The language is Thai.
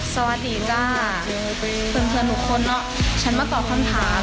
สวัสดีจ้าเพื่อนทุกคนเนอะฉันมาตอบคำถาม